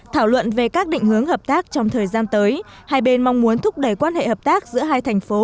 thảo luận về các định hướng hợp tác trong thời gian tới hai bên mong muốn thúc đẩy quan hệ hợp tác giữa hai thành phố